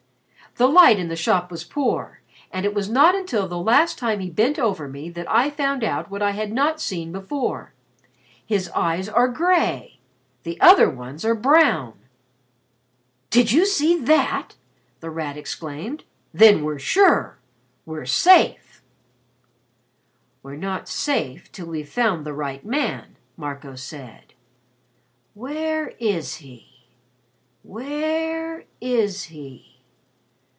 The light in the shop was poor, and it was not until the last time he bent over me that I found out what I had not seen before. His eyes are gray the other ones are brown." "Did you see that!" The Rat exclaimed. "Then we're sure! We're safe!" "We're not safe till we've found the right man," Marco said. "Where is he? Where is he?